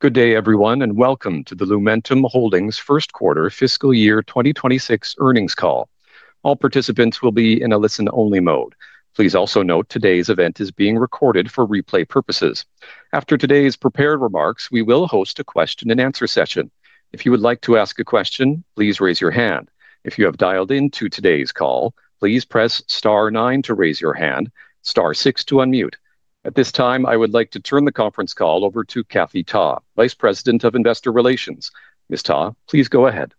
Good day, everyone, and welcome to the Lumentum Holdings first quarter fiscal year 2026 earnings call. All participants will be in a listen-only mode. Please also note today's event is being recorded for replay purposes. After today's prepared remarks, we will host a question-and-answer session. If you would like to ask a question, please raise your hand. If you have dialed into today's call, please press star nine to raise your hand, star six to unmute. At this time, I would like to turn the conference call over to Kathy Ta, Vice President of Investor Relations. Ms. Ta, please go ahead.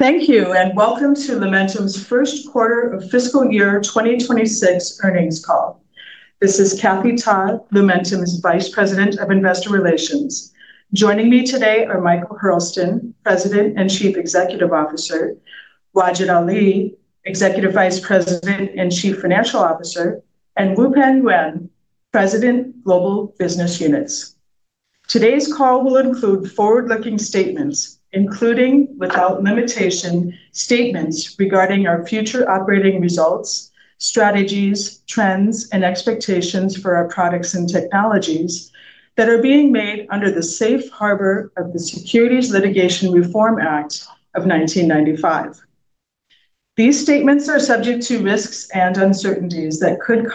Thank you, and welcome to Lumentum's first quarter of fiscal year 2026 earnings call. This is Kathy Ta, Lumentum's Vice President of Investor Relations. Joining me today are Michael Hurlston, President and Chief Executive Officer, Wajid Ali, Executive Vice President and Chief Financial Officer, and Wupen Yuen, President, Global Business Units. Today's call will include forward-looking statements, including, without limitation, statements regarding our future operating results, strategies, trends, and expectations for our products and technologies that are being made under the safe harbor of the Securities Litigation Reform Act of 1995. These statements are subject to risks and uncertainties that could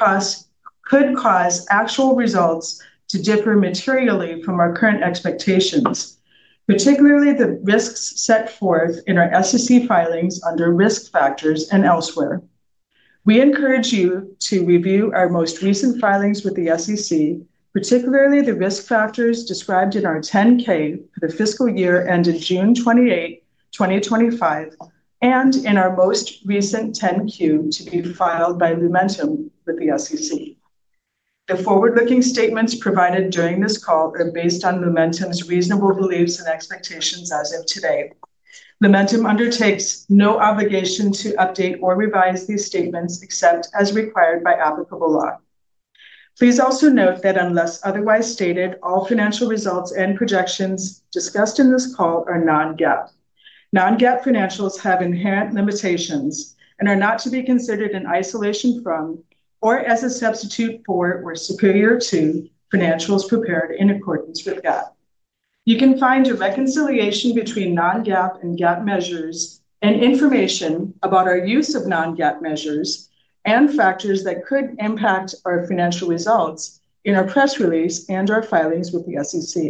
cause actual results to differ materially from our current expectations, particularly the risks set forth in our SEC filings under risk factors and elsewhere. We encourage you to review our most recent filings with the SEC, particularly the risk factors described in our 10-K for the fiscal year ended June 28, 2025, and in our most recent 10-Q to be filed by Lumentum with the SEC. The forward-looking statements provided during this call are based on Lumentum's reasonable beliefs and expectations as of today. Lumentum undertakes no obligation to update or revise these statements except as required by applicable law. Please also note that unless otherwise stated, all financial results and projections discussed in this call are non-GAAP. Non-GAAP financials have inherent limitations and are not to be considered in isolation from or as a substitute for or superior to financials prepared in accordance with GAAP. You can find a reconciliation between non-GAAP and GAAP measures and information about our use of non-GAAP measures and factors that could impact our financial results in our press release and our filings with the SEC.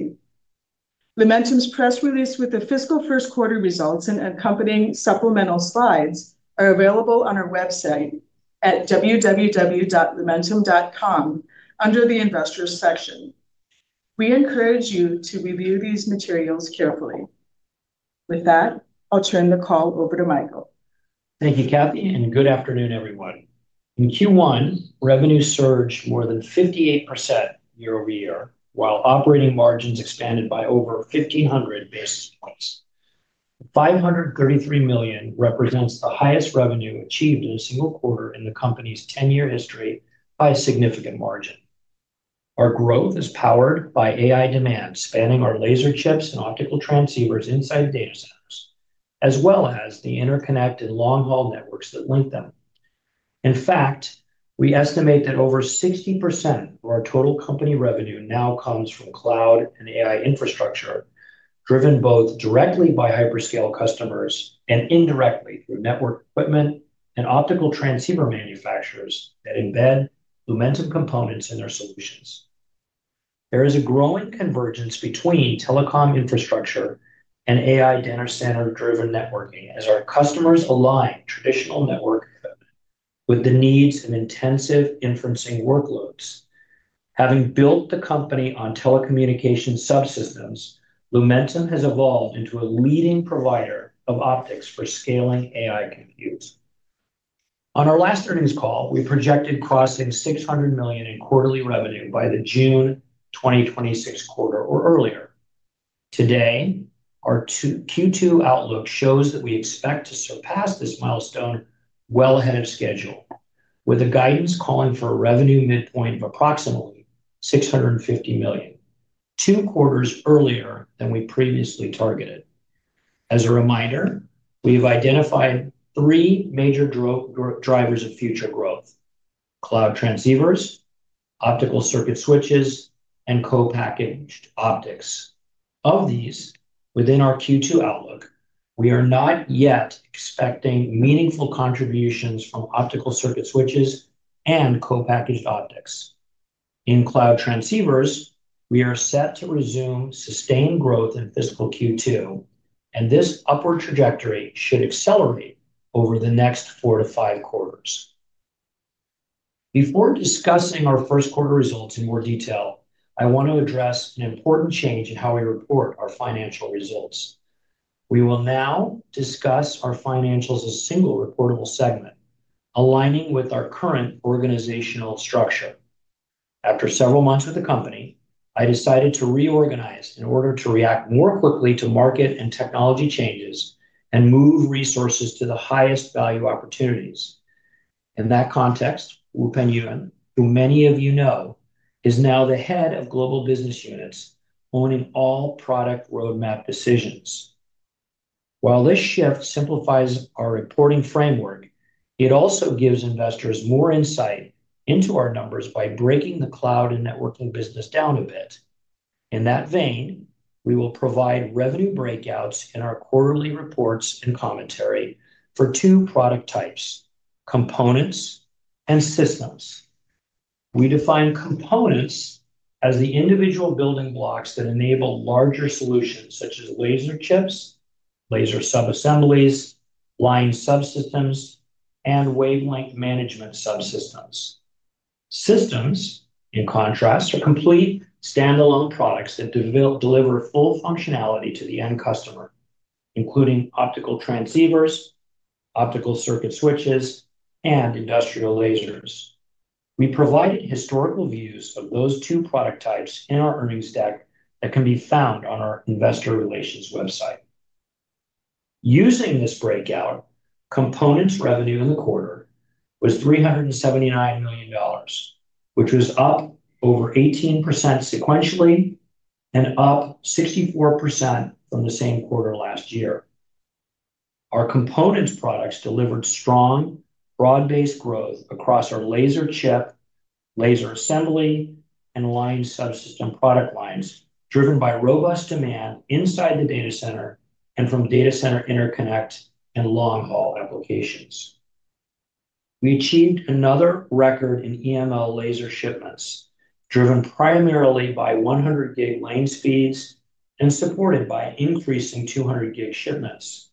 Lumentum's press release with the fiscal first quarter results and accompanying supplemental slides are available on our website at www.lumentum.com under the Investors section. We encourage you to review these materials carefully. With that, I'll turn the call over to Michael. Thank you, Kathy, and good afternoon, everyone. In Q1, revenues surged more than 58% year-over-year, while operating margins expanded by over 1,500 basis points. The $533 million represents the highest revenue achieved in a single quarter in the company's 10-year history by a significant margin. Our growth is powered by AI demand spanning our laser chips and optical transceivers inside data centers, as well as the interconnected long-haul networks that link them. In fact, we estimate that over 60% of our total company revenue now comes from cloud and AI infrastructure, driven both directly by hyperscale customers and indirectly through network equipment and optical transceiver manufacturers that embed Lumentum components in their solutions. There is a growing convergence between telecom infrastructure and AI data center-driven networking as our customers align traditional network equipment with the needs of intensive inferencing workloads. Having built the company on telecommunication subsystems, Lumentum has evolved into a leading provider of optics for scaling AI compute. On our last earnings call, we projected crossing $600 million in quarterly revenue by the June 2026 quarter or earlier. Today, our Q2 outlook shows that we expect to surpass this milestone well ahead of schedule, with the guidance calling for a revenue midpoint of approximately $650 million, two quarters earlier than we previously targeted. As a reminder, we have identified three major drivers of future growth: cloud transceivers, optical circuit switches, and co-packaged optics. Of these, within our Q2 outlook, we are not yet expecting meaningful contributions from optical circuit switches and co-packaged optics. In cloud transceivers, we are set to resume sustained growth in fiscal Q2, and this upward trajectory should accelerate over the next four to five quarters. Before discussing our first quarter results in more detail, I want to address an important change in how we report our financial results. We will now discuss our financials as a single reportable segment, aligning with our current organizational structure. After several months with the company, I decided to reorganize in order to react more quickly to market and technology changes and move resources to the highest value opportunities. In that context, Wupen Yuen, who many of you know, is now the head of Global Business Units, owning all product roadmap decisions. While this shift simplifies our reporting framework, it also gives investors more insight into our numbers by breaking the cloud and networking business down a bit. In that vein, we will provide revenue breakouts in our quarterly reports and commentary for two product types: components and systems. We define components as the individual building blocks that enable larger solutions such as laser chips, laser subassemblies, line subsystems, and wavelength management subsystems. Systems, in contrast, are complete standalone products that deliver full functionality to the end customer, including optical transceivers, optical circuit switches, and industrial lasers. We provided historical views of those two product types in our earnings deck that can be found on our investor relations website. Using this breakout, components revenue in the quarter was $379 million, which was up over 18% sequentially and up 64% from the same quarter last year. Our components products delivered strong, broad-based growth across our laser chip, laser assembly, and line subsystem product lines, driven by robust demand inside the data center and from data center interconnect and long-haul applications. We achieved another record in EML laser shipments, driven primarily by 100-gig lane speeds and supported by increasing 200-gig shipments.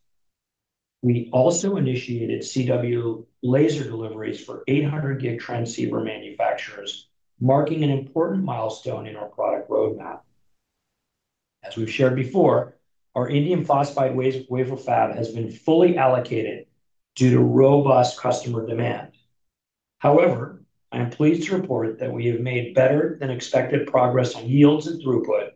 We also initiated CW laser deliveries for 800-gig transceiver manufacturers, marking an important milestone in our product roadmap. As we've shared before, our indium phosphide Wafer Fab has been fully allocated due to robust customer demand. However, I am pleased to report that we have made better-than-expected progress on yields and throughput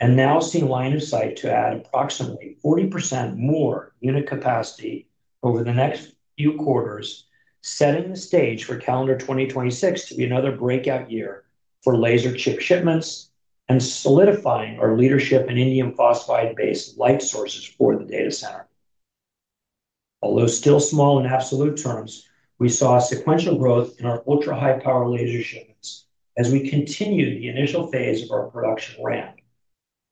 and now see line of sight to add approximately 40% more unit capacity over the next few quarters, setting the stage for calendar 2026 to be another breakout year for laser chip shipments and solidifying our leadership in indium phosphide-based light sources for the data center. Although still small in absolute terms, we saw sequential growth in our ultra-high-power laser shipments as we continued the initial phase of our production ramp.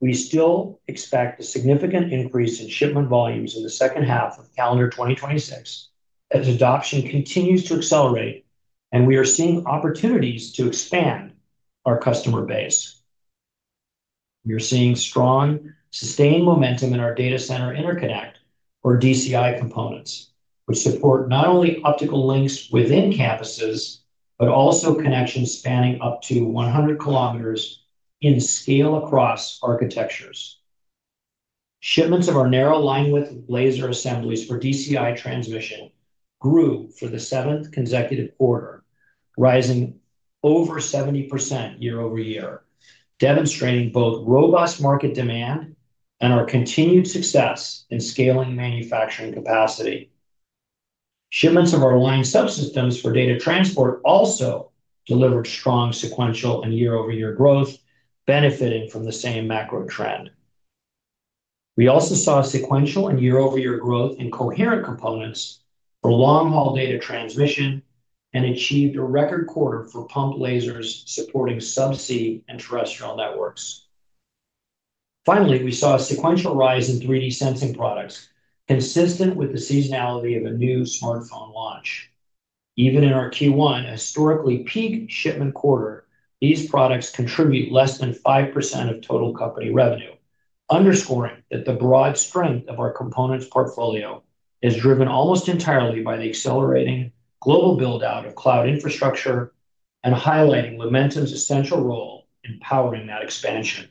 We still expect a significant increase in shipment volumes in the second half of calendar 2026 as adoption continues to accelerate, and we are seeing opportunities to expand our customer base. We are seeing strong, sustained momentum in our data center interconnect, or DCI, components, which support not only optical links within campuses but also connections spanning up to 100 km in scale across architectures. Shipments of our narrow linewidth laser assemblies for DCI transmission grew for the seventh consecutive quarter, rising over 70% year-over-year, demonstrating both robust market demand and our continued success in scaling manufacturing capacity. Shipments of our line subsystems for data transport also delivered strong sequential and year-over-year growth, benefiting from the same macro trend. We also saw sequential and year-over-year growth in coherent components for long-haul data transmission and achieved a record quarter for pump lasers supporting subsea and terrestrial networks. Finally, we saw a sequential rise in 3D sensing products, consistent with the seasonality of a new smartphone launch. Even in our Q1, a historically peak shipment quarter, these products contribute less than 5% of total company revenue, underscoring that the broad strength of our components portfolio is driven almost entirely by the accelerating global build-out of cloud infrastructure and highlighting Lumentum's essential role in powering that expansion.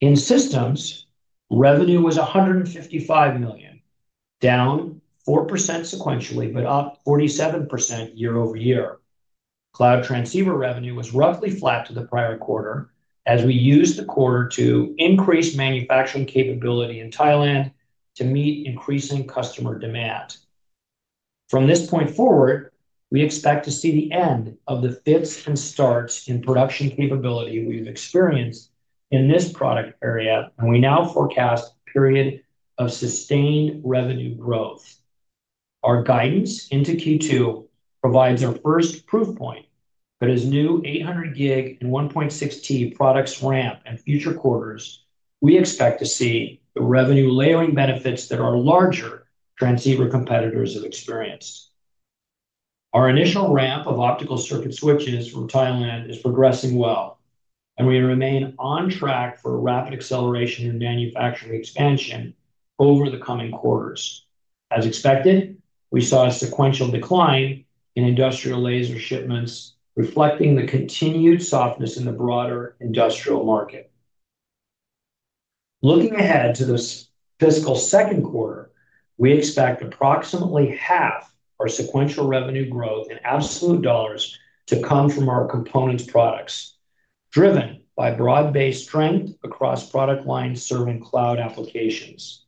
In systems, revenue was $155 million, down 4% sequentially but up 47% year-over-year. Cloud transceiver revenue was roughly flat to the prior quarter as we used the quarter to increase manufacturing capability in Thailand to meet increasing customer demand. From this point forward, we expect to see the end of the fits and starts in production capability we've experienced in this product area, and we now forecast a period of sustained revenue growth. Our guidance into Q2 provides our first proof point that as new 800-gig and 1.6T products ramp in future quarters, we expect to see the revenue layering benefits that our larger transceiver competitors have experienced. Our initial ramp of optical circuit switches from Thailand is progressing well, and we remain on track for rapid acceleration in manufacturing expansion over the coming quarters. As expected, we saw a sequential decline in industrial laser shipments, reflecting the continued softness in the broader industrial market. Looking ahead to this fiscal second quarter, we expect approximately half our sequential revenue growth in absolute dollars to come from our components products, driven by broad-based strength across product lines serving cloud applications.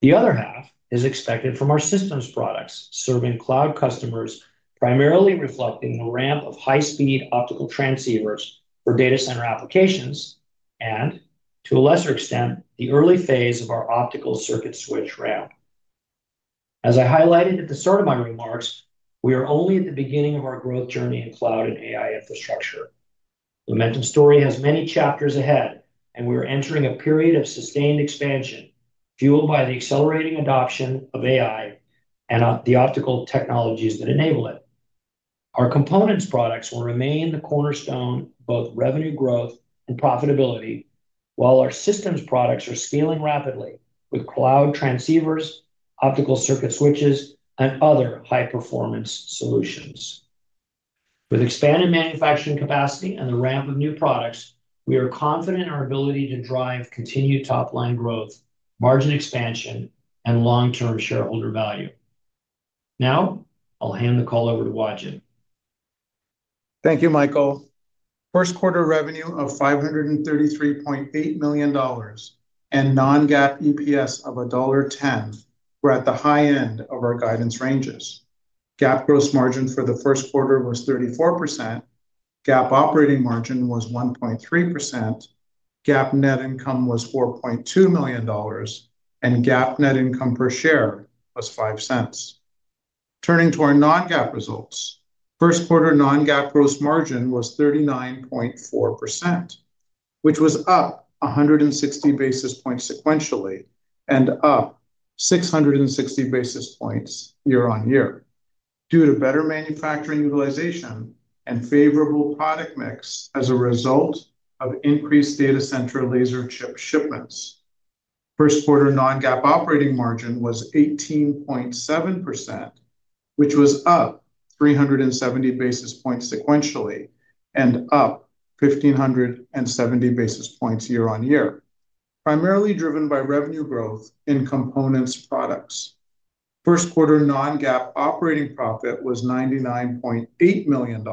The other half is expected from our systems products serving cloud customers, primarily reflecting the ramp of high-speed optical transceivers for data center applications and, to a lesser extent, the early phase of our optical circuit switch ramp. As I highlighted at the start of my remarks, we are only at the beginning of our growth journey in cloud and AI infrastructure. Lumentum's story has many chapters ahead, and we are entering a period of sustained expansion fueled by the accelerating adoption of AI and the optical technologies that enable it. Our components products will remain the cornerstone of both revenue growth and profitability, while our systems products are scaling rapidly with cloud transceivers, optical circuit switches, and other high-performance solutions. With expanded manufacturing capacity and the ramp of new products, we are confident in our ability to drive continued top-line growth, margin expansion, and long-term shareholder value. Now, I'll hand the call over to Wajid. Thank you, Michael. First quarter revenue of $533.8 million and non-GAAP EPS of $1.10 were at the high end of our guidance ranges. GAAP gross margin for the first quarter was 34%. GAAP operating margin was 1.3%. GAAP net income was $4.2 million, and GAAP net income per share was $0.05. Turning to our non-GAAP results, first quarter non-GAAP gross margin was 39.4%, which was up 160 basis points sequentially and up 660 basis points year-on-year due to better manufacturing utilization and favorable product mix as a result of increased data center laser chip shipments. First quarter non-GAAP operating margin was 18.7%, which was up 370 basis points sequentially and up 1,570 basis points year-on-year, primarily driven by revenue growth in components products. First quarter non-GAAP operating profit was $99.8 million,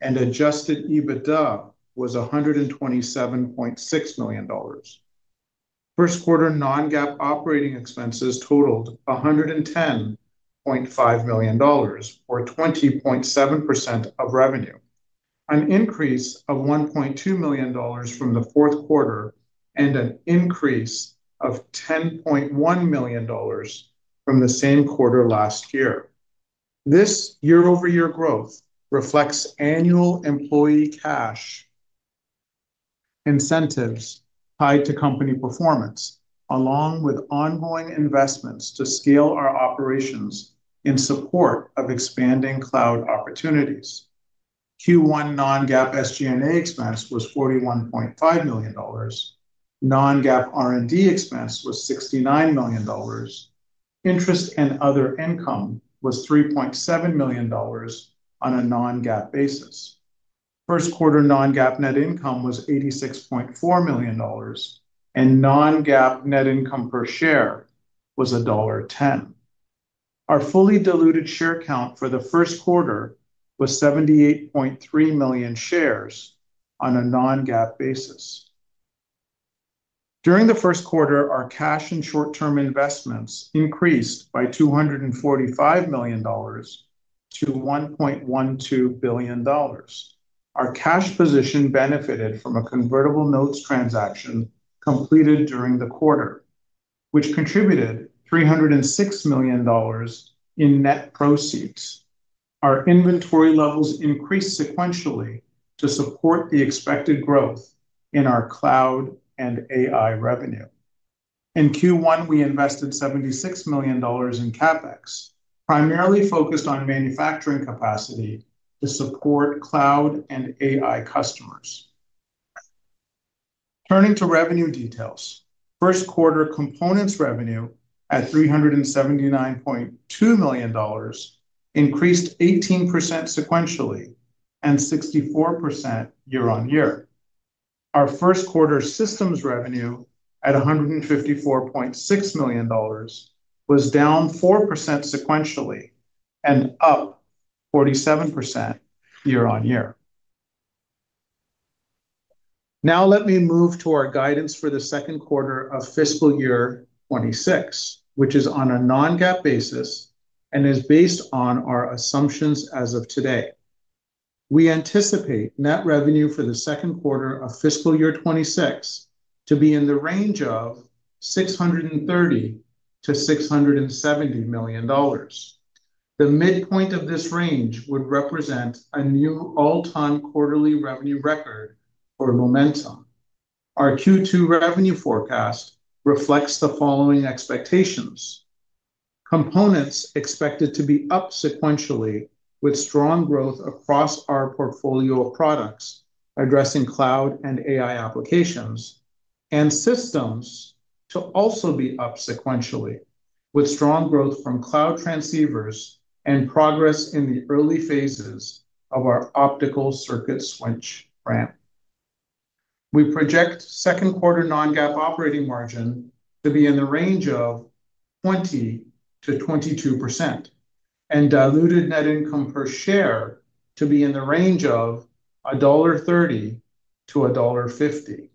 and adjusted EBITDA was $127.6 million. First quarter non-GAAP operating expenses totaled $110.5 million, or 20.7% of revenue, an increase of $1.2 million from the fourth quarter and an increase of $10.1 million from the same quarter last year. This year-over-year growth reflects annual employee cash incentives tied to company performance, along with ongoing investments to scale our operations in support of expanding cloud opportunities. Q1 non-GAAP SG&A expense was $41.5 million. Non-GAAP R&D expense was $69 million. Interest and other income was $3.7 million on a non-GAAP basis. First quarter non-GAAP net income was $86.4 million, and non-GAAP net income per share was $1.10. Our fully diluted share count for the first quarter was 78.3 million shares on a non-GAAP basis. During the first quarter, our cash and short-term investments increased by $245 million-$1.12 billion. Our cash position benefited from a convertible notes transaction completed during the quarter, which contributed $306 million in net proceeds. Our inventory levels increased sequentially to support the expected growth in our cloud and AI revenue. In Q1, we invested $76 million in CapEx, primarily focused on manufacturing capacity to support cloud and AI customers. Turning to revenue details, first quarter components revenue at $379.2 million increased 18% sequentially and 64% year-on-year. Our first quarter systems revenue at $154.6 million was down 4% sequentially and up 47% year-on-year. Now, let me move to our guidance for the second quarter of fiscal year 2026, which is on a non-GAAP basis and is based on our assumptions as of today. We anticipate net revenue for the second quarter of fiscal year 2026 to be in the range of $630million-$670 million. The midpoint of this range would represent a new all-time quarterly revenue record for Lumentum. Our Q2 revenue forecast reflects the following expectations. Components expected to be up sequentially with strong growth across our portfolio of products addressing cloud and AI applications, and systems to also be up sequentially with strong growth from cloud transceivers and progress in the early phases of our optical circuit switch ramp. We project second quarter non-GAAP operating margin to be in the range of 20%-22%. Diluted net income per share to be in the range of $1.30-$1.50.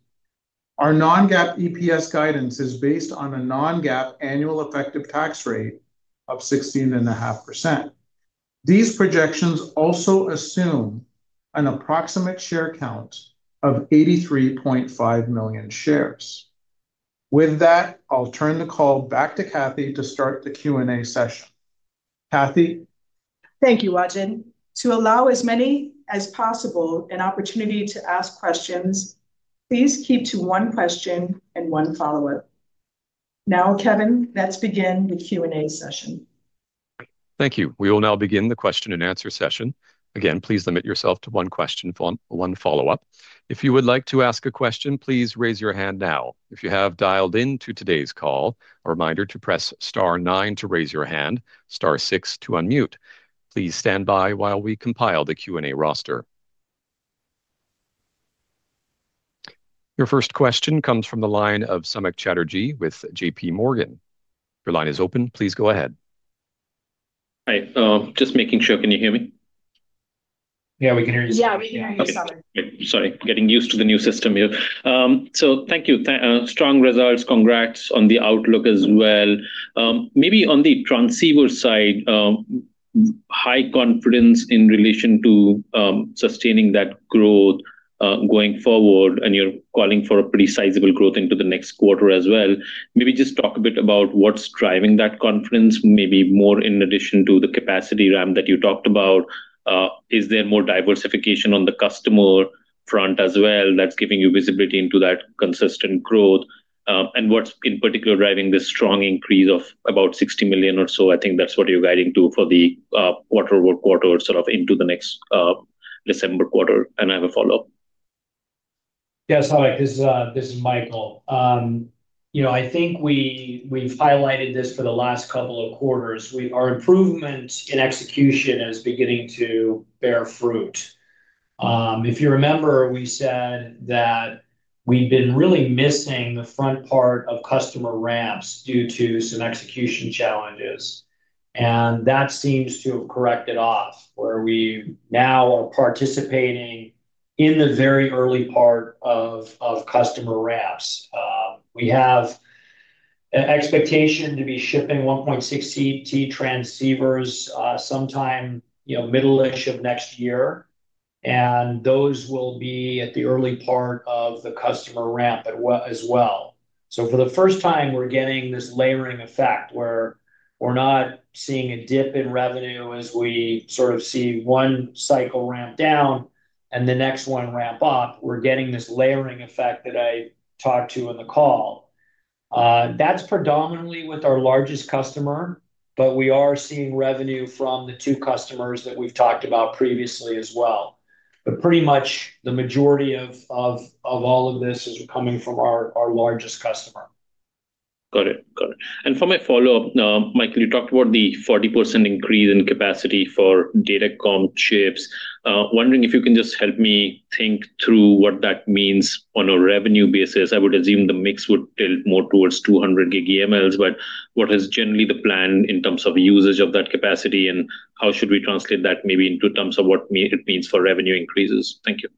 Our non-GAAP EPS guidance is based on a non-GAAP annual effective tax rate of 16.5%. These projections also assume an approximate share count of 83.5 million shares. With that, I'll turn the call back to Kathy to start the Q&A session. Kathy. Thank you, Wajid. To allow as many as possible an opportunity to ask questions, please keep to one question and one follow-up. Now, Kevin, let's begin the Q&A session. Thank you. We will now begin the question and answer session. Again, please limit yourself to one question for one follow-up. If you would like to ask a question, please raise your hand now. If you have dialed into today's call, a reminder to press star nine to raise your hand, star six to unmute. Please stand by while we compile the Q&A roster. Your first question comes from the line of Samik Chatterjee with JPMorgan. Your line is open. Please go ahead. Hi. Just making sure, can you hear me? Yeah, we can hear you. Yeah, we can hear you, Samik. Sorry, getting used to the new system here. So thank you. Strong results. Congrats on the outlook as well. Maybe on the transceiver side. High confidence in relation to sustaining that growth going forward, and you're calling for a pretty sizable growth into the next quarter as well. Maybe just talk a bit about what's driving that confidence, maybe more in addition to the capacity ramp that you talked about. Is there more diversification on the customer front as well that's giving you visibility into that consistent growth? And what's in particular driving this strong increase of about $60 million or so? I think that's what you're guiding to for the quarter over quarter sort of into the next. December quarter. And I have a follow-up. Yes, this is Michael. I think we've highlighted this for the last couple of quarters. Our improvement in execution is beginning to bear fruit. If you remember, we said that we'd been really missing the front part of customer ramps due to some execution challenges, and that seems to have corrected off where we now are participating in the very early part of customer ramps. We have an expectation to be shipping 1.6T transceivers sometime middle-ish of next year, and those will be at the early part of the customer ramp as well, so for the first time, we're getting this layering effect where we're not seeing a dip in revenue as we sort of see one cycle ramp down and the next one ramp up. We're getting this layering effect that I talked to in the call. That's predominantly with our largest customer, but we are seeing revenue from the two customers that we've talked about previously as well, but pretty much the majority of all of this is coming from our largest customer. Got it. Got it. And for my follow-up, Michael, you talked about the 40% increase in capacity for data comm chips. Wondering if you can just help me think through what that means on a revenue basis? I would assume the mix would tilt more towards 200 gig EMLs, but what is generally the plan in terms of usage of that capacity, and how should we translate that maybe in terms of what it means for revenue increases? Thank you.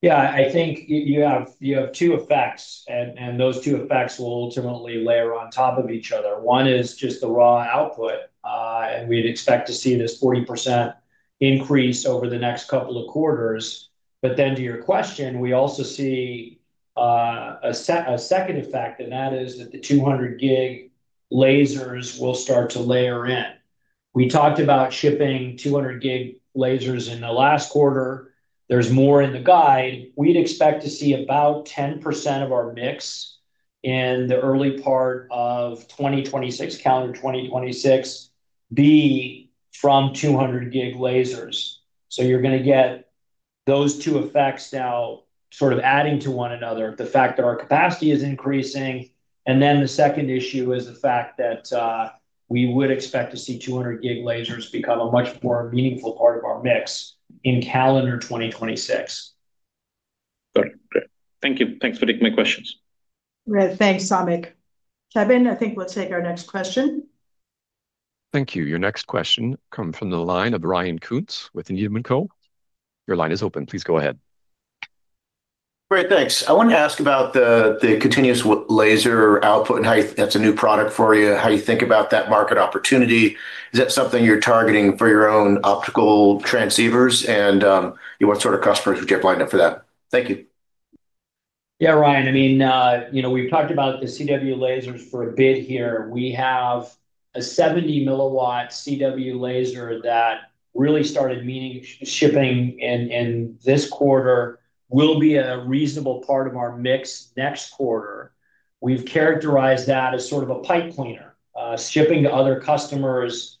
Yeah, I think you have two effects, and those two effects will ultimately layer on top of each other. One is just the raw output, and we'd expect to see this 40% increase over the next couple of quarters. But then to your question, we also see a second effect, and that is that the 200 gig lasers will start to layer in. We talked about shipping 200 gig lasers in the last quarter. There's more in the guide. We'd expect to see about 10% of our mix in the early part of 2026, calendar 2026, be from 200 gig lasers. So you're going to get those two effects now sort of adding to one another, the fact that our capacity is increasing. And then the second issue is the fact that we would expect to see 200 gig lasers become a much more meaningful part of our mix in calendar 2026. Got it. Great. Thank you. Thanks for taking my questions. Thanks, Samik. Kevin, I think let's take our next question. Thank you. Your next question comes from the line of Ryan Koontz with Needham & Co. Your line is open. Please go ahead. Great. Thanks. I want to ask about the continuous wave laser output and how that's a new product for you, how you think about that market opportunity. Is that something you're targeting for your own optical transceivers, and what sort of customers would you have lined up for that? Thank you. Yeah, Ryan. I mean, we've talked about the CW lasers for a bit here. We have a 70 mW CW laser that really started meaningfully shipping in this quarter. It will be a reasonable part of our mix next quarter. We've characterized that as sort of a pipe cleaner, shipping to other customers.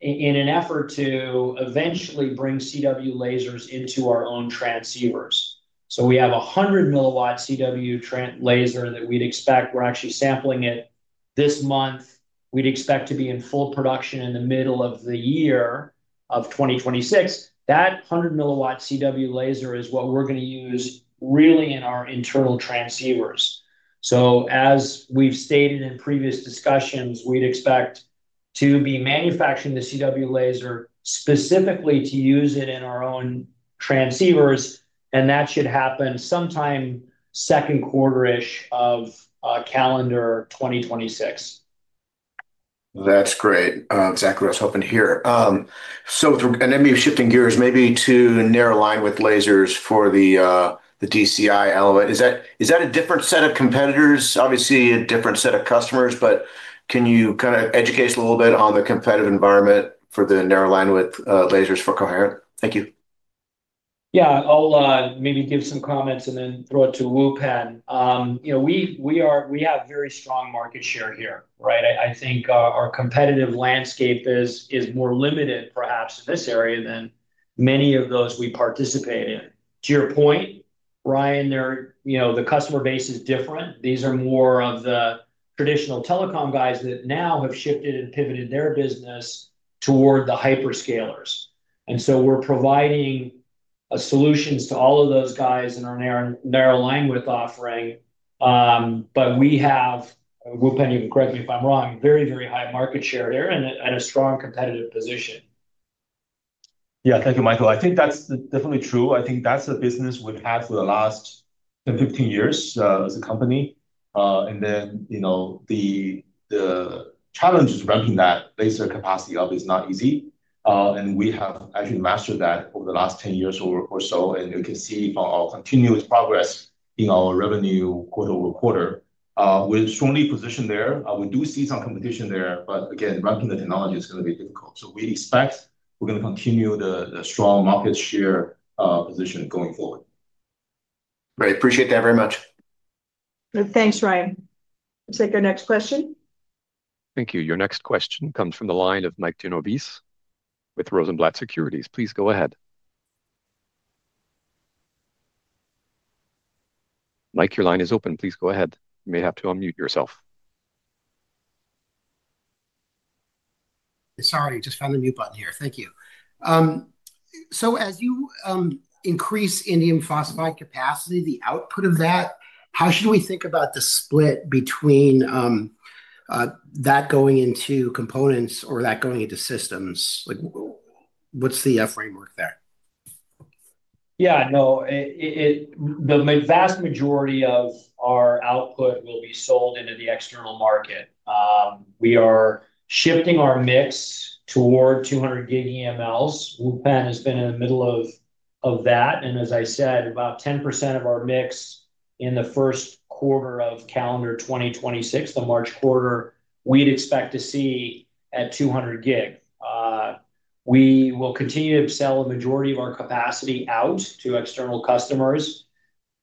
In an effort to eventually bring CW lasers into our own transceivers. So we have a 100 mW CW laser that we'd expect. We're actually sampling it this month. We'd expect to be in full production in the middle of the year of 2026. That 100 mW CW laser is what we're going to use really in our internal transceivers. So as we've stated in previous discussions, we'd expect to be manufacturing the CW laser specifically to use it in our own transceivers, and that should happen sometime second quarter-ish of calendar 2026. That's great. Exactly what I was hoping to hear. And then maybe shifting gears maybe to narrow linewidth lasers for the DCI element. Is that a different set of competitors? Obviously, a different set of customers, but can you kind of educate us a little bit on the competitive environment for the narrow linewidth lasers for coherent? Thank you. Yeah, I'll maybe give some comments and then throw it to Wupen. We have very strong market share here, right? I think our competitive landscape is more limited, perhaps, in this area than many of those we participate in. To your point, Ryan, the customer base is different. These are more of the traditional telecom guys that now have shifted and pivoted their business toward the hyperscalers. And so we're providing solutions to all of those guys in our narrow linewidth offering. But we have, Wupen even correct me if I'm wrong, very, very high market share here and a strong competitive position. Yeah, thank you, Michael. I think that's definitely true. I think that's the business we've had for the last 10, 15 years as a company. The challenge is ramping that laser capacity up is not easy. And we have actually mastered that over the last 10 years or so. And you can see from our continuous progress in our revenue quarter-over-quarter, we're strongly positioned there. We do see some competition there, but again, ramping the technology is going to be difficult. So we expect we're going to continue the strong market share position going forward. Great. Appreciate that very much. Thanks, Ryan. Let's take our next question. Thank you. Your next question comes from the line of Mike Genovese with Rosenblatt Securities. Please go ahead. Mike, your line is open. Please go ahead. You may have to unmute yourself. Sorry, I just found the mute button here. Thank you. So as you increase indium phosphide capacity, the output of that, how should we think about the split between that going into components or that going into systems? What's the framework there? Yeah, no. The vast majority of our output will be sold into the external market. We are shifting our mix toward 200G EMLs. Wupen Yuen has been in the middle of that. And as I said, about 10% of our mix in the first quarter of calendar 2026, the March quarter, we'd expect to see at 200G. We will continue to sell the majority of our capacity out to external customers.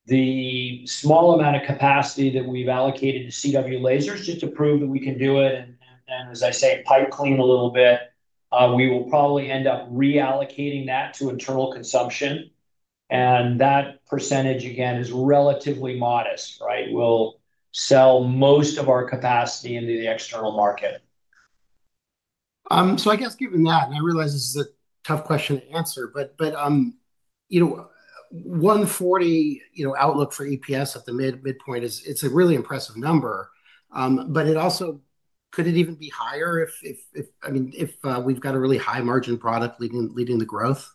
The small amount of capacity that we've allocated to CW lasers just to prove that we can do it and, as I say, pipe clean a little bit, we will probably end up reallocating that to internal consumption. And that percentage, again, is relatively modest, right? We'll sell most of our capacity into the external market. So I guess given that, and I realize this is a tough question to answer, but $1.40 outlook for EPS at the midpoint, it's a really impressive number. But could it even be higher if, I mean, if we've got a really high margin product leading the growth?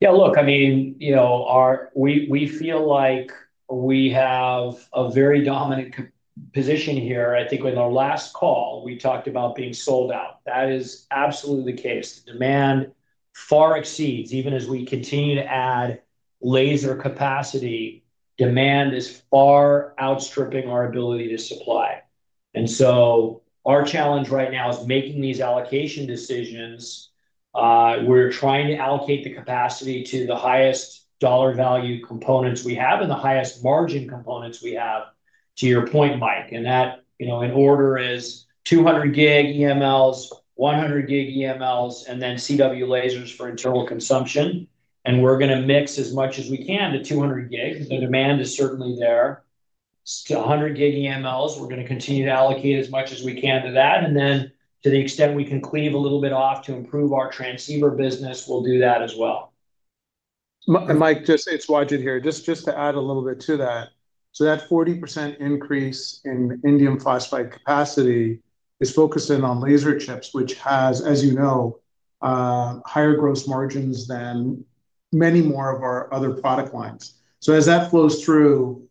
Yeah, look, I mean. We feel like we have a very dominant position here. I think in our last call, we talked about being sold out. That is absolutely the case. The demand far exceeds, even as we continue to add laser capacity, demand is far outstripping our ability to supply, and so our challenge right now is making these allocation decisions. We're trying to allocate the capacity to the highest dollar value components we have and the highest margin components we have, to your point, Mike, and that in order is 200 gig EMLs, 100 gig EMLs, and then CW lasers for internal consumption, and we're going to mix as much as we can to 200 gig. The demand is certainly there to 100 gig EMLs, we're going to continue to allocate as much as we can to that, and then to the extent we can cleave a little bit off to improve our transceiver business, we'll do that as well. Mike, just say it's Wajid here. Just to add a little bit to that, so that 40% increase in indium phosphide capacity is focused in on laser chips, which has, as you know, higher gross margins than many more of our other product lines. So as that flows through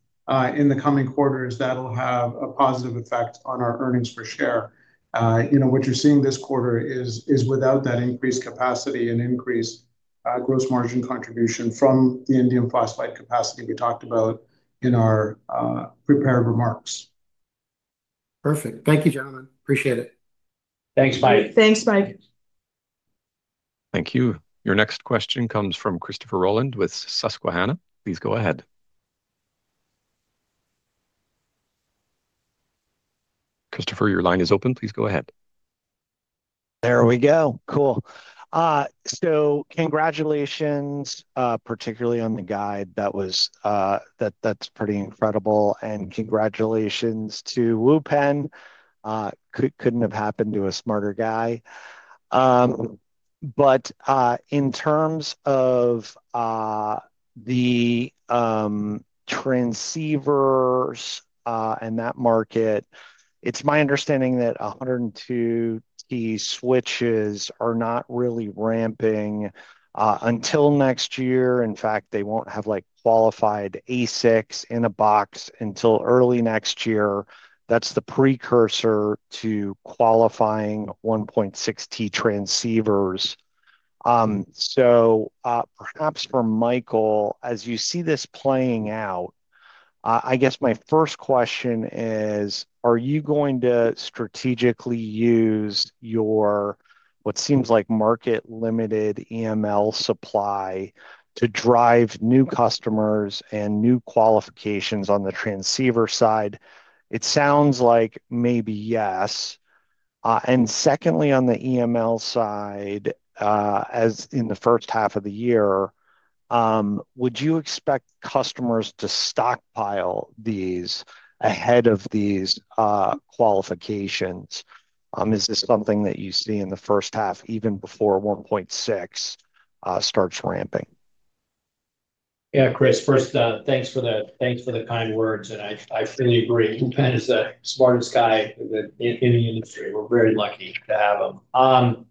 in the coming quarters, that'll have a positive effect on our earnings per share. What you're seeing this quarter is without that increased capacity and increased gross margin contribution from the indium phosphide capacity we talked about in our prepared remarks. Perfect. Thank you, gentlemen. Appreciate it. Thanks, Mike. Thanks, Mike. Thank you. Your next question comes from Christopher Rolland with Susquehanna. Please go ahead. Christopher, your line is open. Please go ahead. There we go. Cool. So congratulations, particularly on the guide. That's pretty incredible and congratulations to Wupen. Couldn't have happened to a smarter guy. But in terms of the transceivers and that market, it's my understanding that 102T switches are not really ramping until next year. In fact, they won't have qualified ASICs in a box until early next year. That's the precursor to qualifying 1.6T transceivers. So perhaps for Michael, as you see this playing out, I guess my first question is, are you going to strategically use your what seems like market-limited EML supply to drive new customers and new qualifications on the transceiver side? It sounds like maybe yes. And secondly, on the EML side, as in the first half of the year, would you expect customers to stockpile these ahead of these qualifications? Is this something that you see in the first half, even before 1.6 starts ramping? Yeah, Chris, first, thanks for the kind words. And I fully agree. Wupen is the smartest guy in the industry. We're very lucky to have him.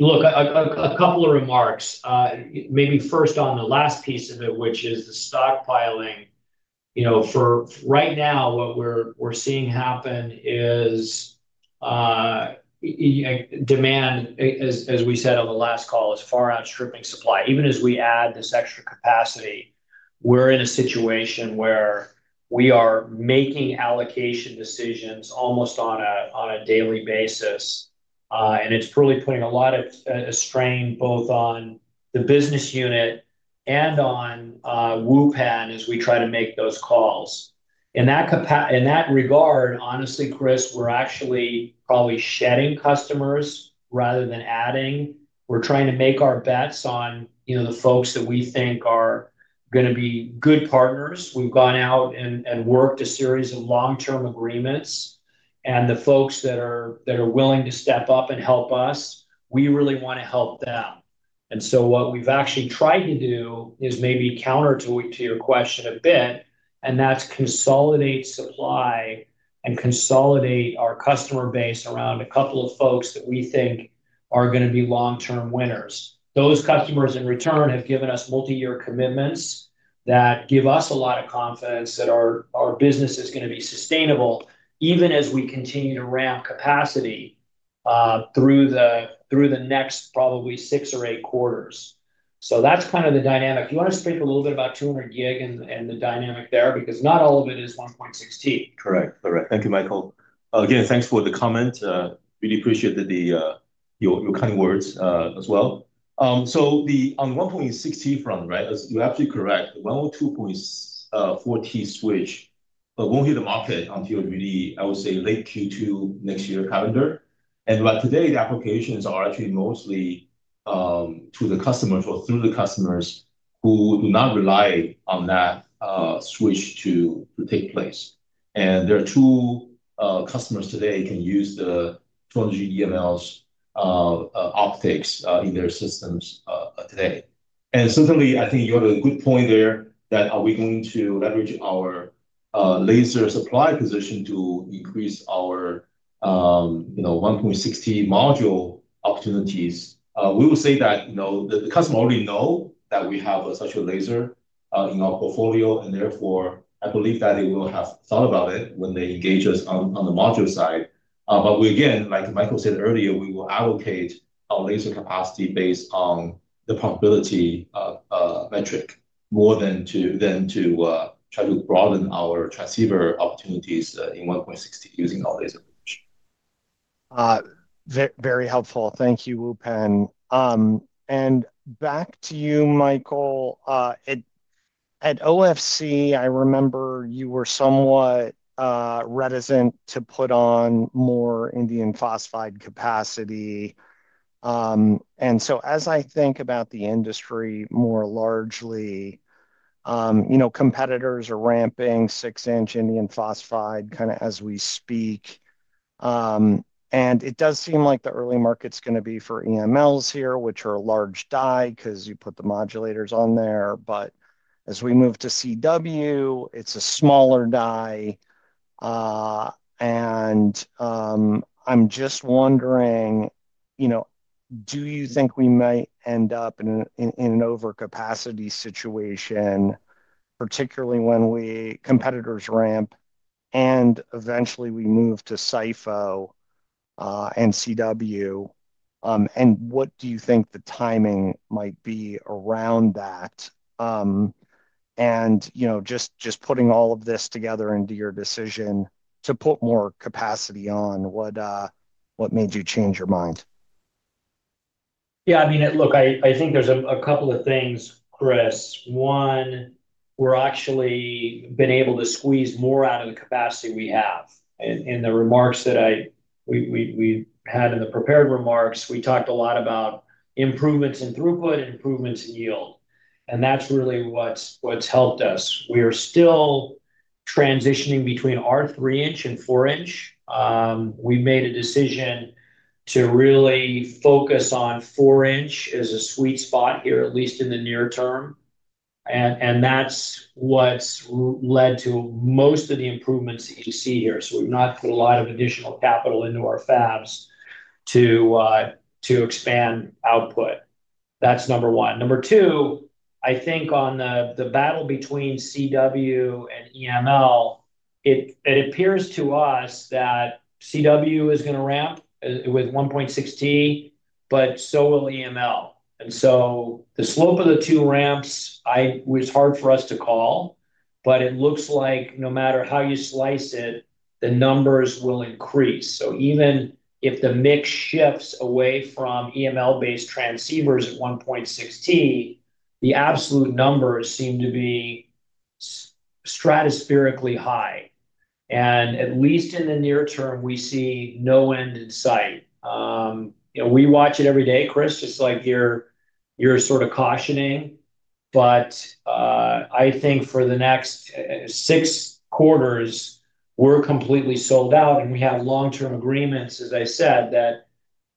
Look, a couple of remarks. Maybe first on the last piece of it, which is the stockpiling. For right now, what we're seeing happen is demand, as we said on the last call, is far outstripping supply. Even as we add this extra capacity, we're in a situation where we are making allocation decisions almost on a daily basis. And it's really putting a lot of strain both on the business unit and on Wupen as we try to make those calls. In that regard, honestly, Chris, we're actually probably shedding customers rather than adding. We're trying to make our bets on the folks that we think are going to be good partners. We've gone out and worked a series of long-term agreements. And the folks that are willing to step up and help us, we really want to help them. And so what we've actually tried to do is maybe counter to your question a bit, and that's consolidate supply and consolidate our customer base around a couple of folks that we think are going to be long-term winners. Those customers, in return, have given us multi-year commitments that give us a lot of confidence that our business is going to be sustainable, even as we continue to ramp capacity through the next probably six or eight quarters. So that's kind of the dynamic. Do you want to speak a little bit about 200 gig and the dynamic there? Because not all of it is 1.6T. Correct. Thank you, Michael. Again, thanks for the comment. Really appreciate your kind words as well. So on the 1.6T front, right, you're absolutely correct. The 102.4T switch won't hit the market until really, I would say, late Q2 next year calendar. And right today, the applications are actually mostly to the customers or through the customers who do not rely on that switch to take place. And there are two customers today can use the 200 gig EMLs optics in their systems today. And certainly, I think you have a good point there that are we going to leverage our laser supply position to increase our 1.6T module opportunities? We will say that the customer already knows that we have such a laser in our portfolio, and therefore, I believe that they will have thought about it when they engage us on the module side. But again, like Michael said earlier, we will allocate our laser capacity based on the probability metric more than to try to broaden our transceiver opportunities in 1.6T using our laser position. Very helpful. Thank you, Wupen. And back to you, Michael. At OFC, I remember you were somewhat reticent to put on more indium phosphide capacity. And so as I think about the industry more largely, competitors are ramping 6-inch indium phosphide kind of as we speak. And it does seem like the early market's going to be for EMLs here, which are a large die because you put the modulators on there. But as we move to CW, it's a smaller die. And I'm just wondering, do you think we might end up in an overcapacity situation, particularly when competitors ramp and eventually we move to SiPho and CW? And what do you think the timing might be around that? And just putting all of this together into your decision to put more capacity on, what made you change your mind? Yeah, I mean, look, I think there's a couple of things, Chris. One, we're actually been able to squeeze more out of the capacity we have. In the remarks that we had in the prepared remarks, we talked a lot about improvements in throughput and improvements in yield. And that's really what's helped us. We are still transitioning between our 3-inch and 4-inch. We made a decision to really focus on 4-inch as a sweet spot here, at least in the near term. And that's what's led to most of the improvements that you see here. So we've not put a lot of additional capital into our fabs to expand output. That's number one. Number two, I think on the battle between CW and EML. It appears to us that CW is going to ramp with 1.6T, but so will EML. And so the slope of the two ramps was hard for us to call, but it looks like no matter how you slice it, the numbers will increase. So even if the mix shifts away from EML-based transceivers at 1.6T, the absolute numbers seem to be stratospherically high. And at least in the near term, we see no end in sight. We watch it every day, Chris, just like you're sort of cautioning. But I think for the next six quarters, we're completely sold out. And we have long-term agreements, as I said, that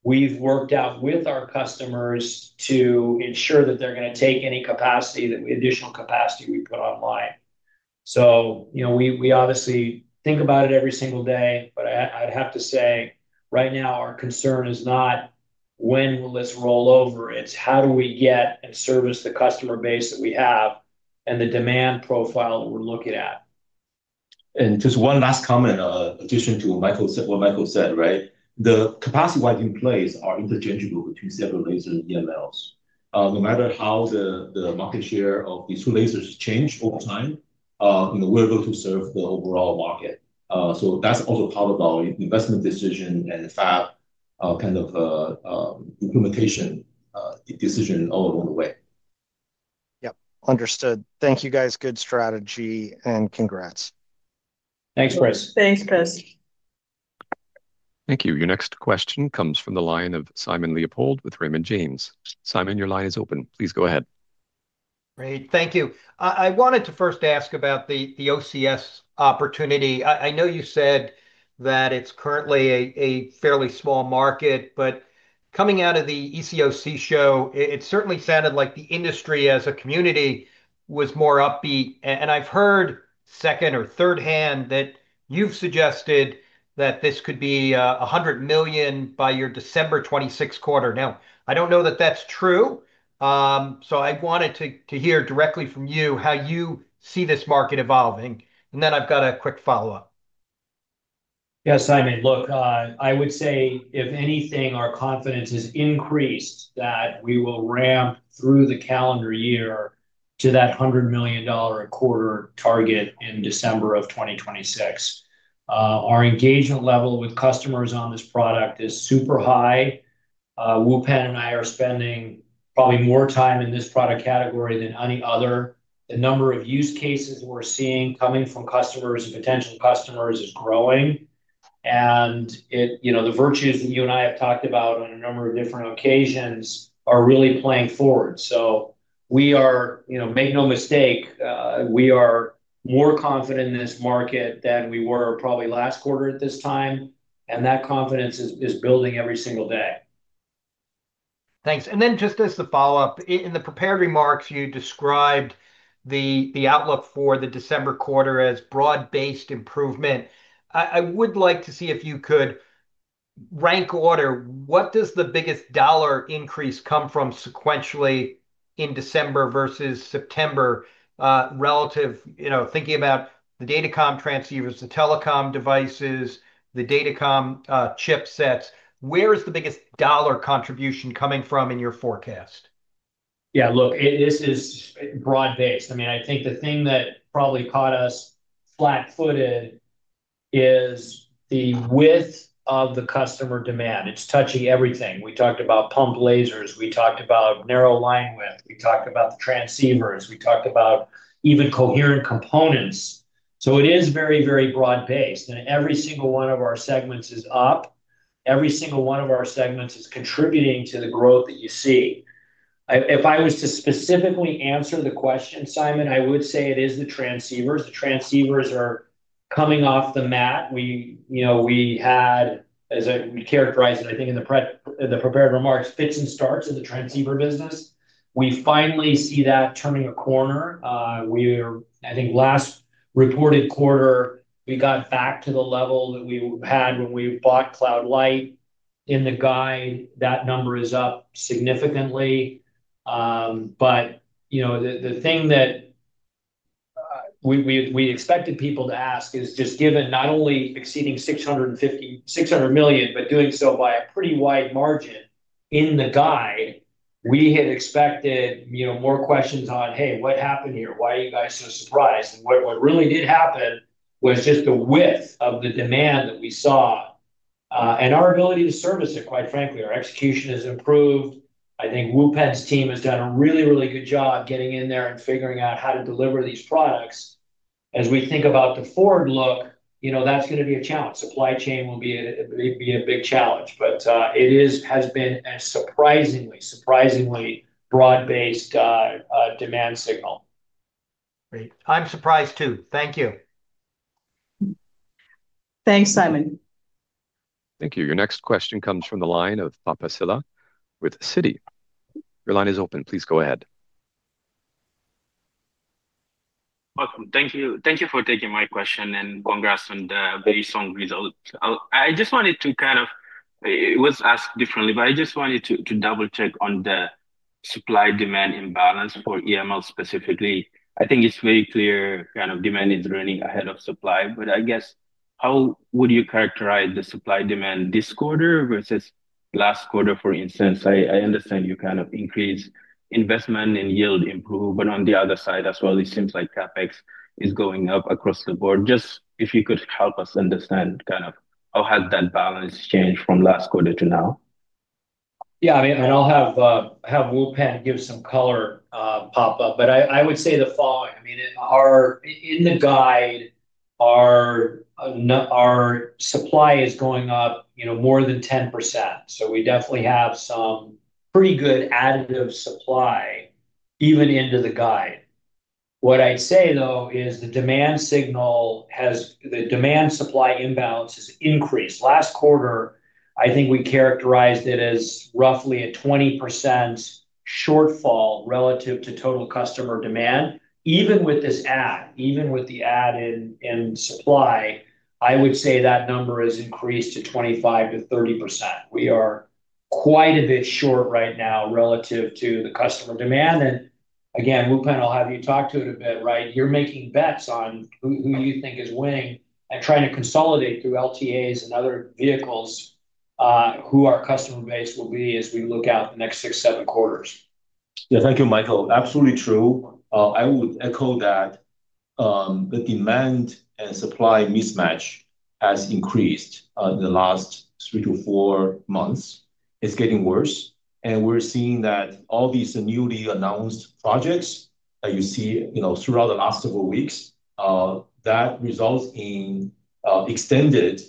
we've worked out with our customers to ensure that they're going to take any additional capacity we put online. So we obviously think about it every single day. But I'd have to say, right now, our concern is not when will this roll over? It's how do we get and service the customer base that we have and the demand profile we're looking at? And just one last comment in addition to what Michael said, right? The capacity we have in place are interchangeable between CW lasers and EMLs. No matter how the market share of these two lasers change over time, we're able to serve the overall market. So that's also part of our investment decision and kind of implementation decision all along the way. Yep. Understood. Thank you, guys. Good strategy and congrats. Thanks, Chris. Thanks, Chris. Thank you. Your next question comes from the line of Simon Leopold with Raymond James. Simon, your line is open. Please go ahead. Great. Thank you. I wanted to first ask about the OCS opportunity. I know you said that it's currently a fairly small market, but coming out of the ECOC show, it certainly sounded like the industry as a community was more upbeat. And I've heard second or third hand that you've suggested that this could be $100 million by your December 2026 quarter. Now, I don't know that that's true. So I wanted to hear directly from you how you see this market evolving. And then I've got a quick follow-up. Yes, Simon. Look, I would say, if anything, our confidence has increased that we will ramp through the calendar year to that $100 million a quarter target in December of 2026. Our engagement level with customers on this product is super high. Wupen and I are spending probably more time in this product category than any other. The number of use cases we're seeing coming from customers and potential customers is growing, and the virtues that you and I have talked about on a number of different occasions are really playing forward. So make no mistake, we are more confident in this market than we were probably last quarter at this time, and that confidence is building every single day. Thanks, and then just as the follow-up, in the prepared remarks, you described the outlook for the December quarter as broad-based improvement. I would like to see if you could rank order, what does the biggest dollar increase come from sequentially in December versus September. Relative to thinking about the Datacom transceivers, the telecom devices, the Datacom chipsets? Where is the biggest dollar contribution coming from in your forecast? Yeah, look, this is broad-based. I mean, I think the thing that probably caught us flat-footed is the width of the customer demand. It's touching everything. We talked about pump lasers. We talked about narrow linewidth. We talked about the transceivers. We talked about even coherent components. So it is very, very broad-based. And every single one of our segments is up. Every single one of our segments is contributing to the growth that you see. If I was to specifically answer the question, Simon, I would say it is the transceivers. The transceivers are coming off the mat. We had, as I would characterize it, I think in the prepared remarks, fits and starts of the transceiver business. We finally see that turning a corner. I think last reported quarter, we got back to the level that we had when we bought CloudLight. In the guide, that number is up significantly. But the thing that we expected people to ask is just given not only exceeding $600 million, but doing so by a pretty wide margin in the guide, we had expected more questions on, "Hey, what happened here? Why are you guys so surprised?" And what really did happen was just the width of the demand that we saw. And our ability to service it, quite frankly, our execution has improved. I think Wupen's team has done a really, really good job getting in there and figuring out how to deliver these products. As we think about the forward look, that's going to be a challenge. Supply chain will be a big challenge. But it has been a surprisingly broad-based demand signal. Great. I'm surprised too. Thank you. Thanks, Simon. Thank you. Your next question comes from the line of Papa Sylla with Citi. Your line is open. Please go ahead. Awesome. Thank you for taking my question and congrats on the very strong result. I just wanted to kind of. It was asked differently, but I just wanted to double-check on the supply-demand imbalance for EML specifically. I think it's very clear kind of demand is running ahead of supply. But I guess, how would you characterize the supply-demand this quarter versus last quarter, for instance? I understand you kind of increased investment and yield improved. But on the other side as well, it seems like CapEx is going up across the board. Just if you could help us understand kind of how has that balance changed from last quarter to now. Yeah. I mean, and I'll have Wupen give some color pop-up. But I would say the following. I mean. In the guide, our supply is going up more than 10%. So we definitely have some pretty good additional supply even into the guide. What I'd say, though, is the demand signal. The demand-supply imbalance has increased. Last quarter, I think we characterized it as roughly a 20% shortfall relative to total customer demand. Even with this add, even with the add in supply, I would say that number has increased to 25%-30%. We are quite a bit short right now relative to the customer demand. And again, Wupen, I'll have you talk to it a bit, right? You're making bets on who you think is winning and trying to consolidate through LTAs and other vehicles who our customer base will be as we look out the next six, seven quarters. Yeah. Thank you, Michael. Absolutely true. I would echo that. The demand and supply mismatch has increased in the last three to four months. It's getting worse. And we're seeing that all these newly announced projects that you see throughout the last several weeks, that results in extended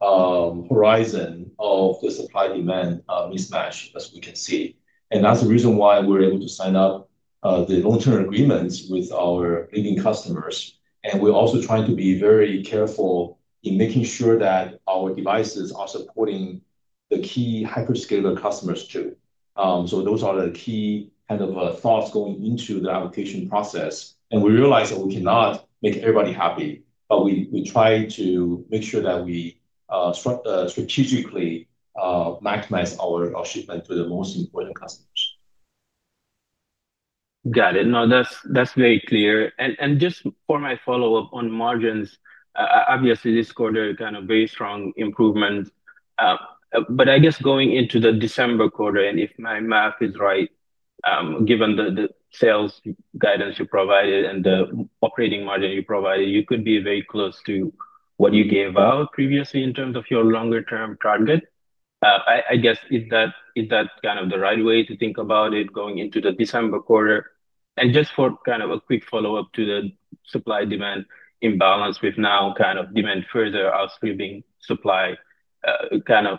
horizon of the supply-demand mismatch, as we can see. And that's the reason why we're able to sign up the long-term agreements with our leading customers. And we're also trying to be very careful in making sure that our devices are supporting the key hyperscaler customers too. So those are the key kind of thoughts going into the application process. And we realize that we cannot make everybody happy, but we try to make sure that we strategically maximize our shipment to the most important customers. Got it. No, that's very clear. And just for my follow-up on margins, obviously, this quarter, kind of very strong improvement. But I guess going into the December quarter, and if my math is right, given the sales guidance you provided and the operating margin you provided, you could be very close to what you gave out previously in terms of your longer-term target. I guess, is that kind of the right way to think about it going into the December quarter? And just for kind of a quick follow-up to the supply-demand imbalance with now kind of demand further outstripping supply. Kind of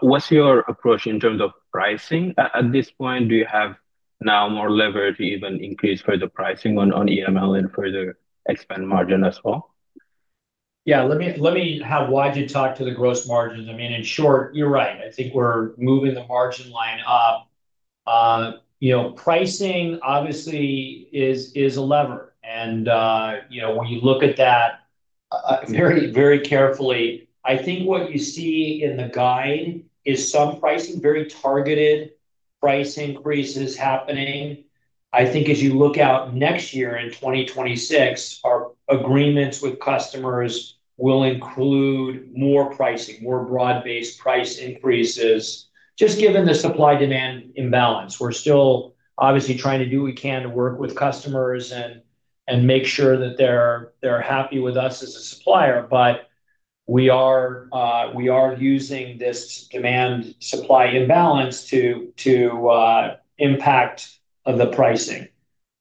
what's your approach in terms of pricing at this point? Do you have now more leverage to even increase further pricing on EML and further expand margin as well? Yeah. Let me have Wajid talk to the gross margins. I mean, in short, you're right. I think we're moving the margin line up. Pricing, obviously, is a lever. And when you look at that very carefully, I think what you see in the guide is some pricing, very targeted price increases happening. I think as you look out next year in 2026, our agreements with customers will include more pricing, more broad-based price increases, just given the supply-demand imbalance. We're still obviously trying to do what we can to work with customers and make sure that they're happy with us as a supplier. But we are using this demand-supply imbalance to impact the pricing.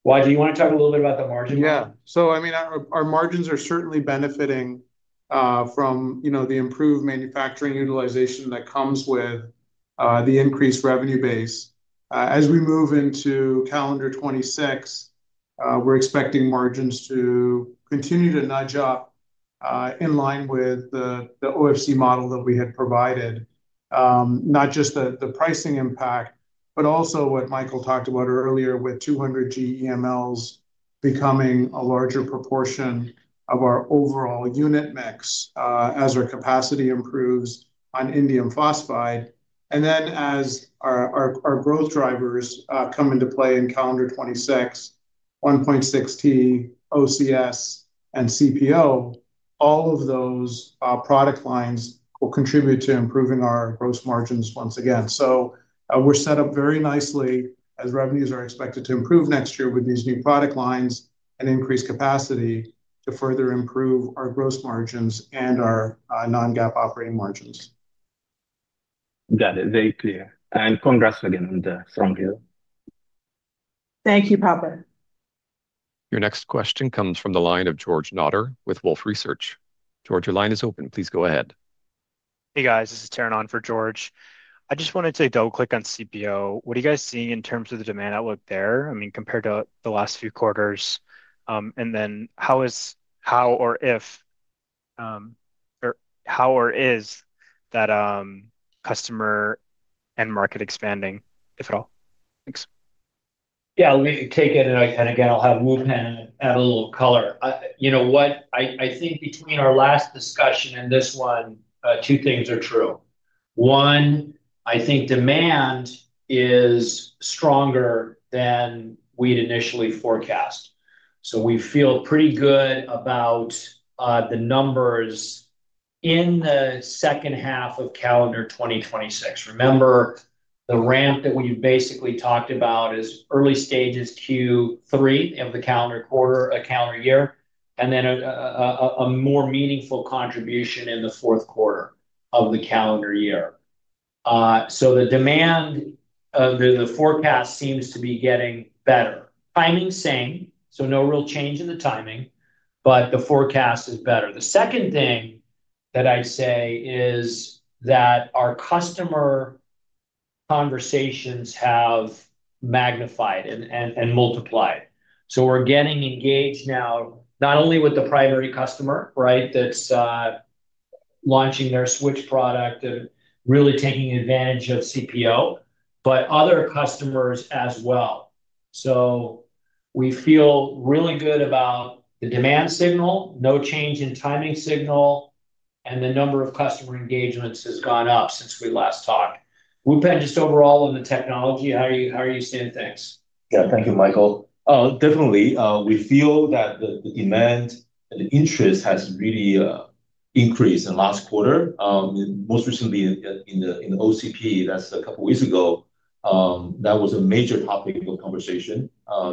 Wajid, do you want to talk a little bit about the margin? Yeah. So I mean, our margins are certainly benefiting from the improved manufacturing utilization that comes with the increased revenue base as we move into calendar 2026. We're expecting margins to continue to nudge up in line with the OFC model that we had provided, not just the pricing impact, but also what Michael talked about earlier with 200G EMLs becoming a larger proportion of our overall unit mix as our capacity improves on indium phosphide. And then as our growth drivers come into play in calendar 2026, 1.6T, OCS, and CPO, all of those product lines will contribute to improving our gross margins once again. So we're set up very nicely as revenues are expected to improve next year with these new product lines and increased capacity to further improve our gross margins and our non-GAAP operating margins. Got it. Very clear and congrats again on the strong yield. Thank you, Papa. Your next question comes from the line of George Notter with Wolfe Research. George, your line is open. Please go ahead. Hey, guys. This is Taran On for George. I just wanted to double-click on CPO. What are you guys seeing in terms of the demand outlook there? I mean, compared to the last few quarters. And then how, or if, or is that customer and market expanding, if at all? Thanks. Yeah. Let me take it, and again, I'll have Wupen add a little color. You know what? I think between our last discussion and this one, two things are true. One, I think demand is stronger than we'd initially forecast. So we feel pretty good about the numbers in the second half of calendar 2026. Remember, the ramp that we've basically talked about is early stages Q3 of the calendar quarter, a calendar year, and then a more meaningful contribution in the fourth quarter of the calendar year. So the demand forecast seems to be getting better. Timing same. So no real change in the timing, but the forecast is better. The second thing that I'd say is that our customer conversations have magnified and multiplied. So we're getting engaged now, not only with the primary customer, right, that's launching their switch product and really taking advantage of CPO, but other customers as well. So we feel really good about the demand signal, no change in timing signal, and the number of customer engagements has gone up since we last talked. Wupen, just overall on the technology, how are you seeing things? Yeah. Thank you, Michael. Oh, definitely. We feel that the demand and the interest has really increased in the last quarter. Most recently, in the OCP, that's a couple of weeks ago. That was a major topic of conversation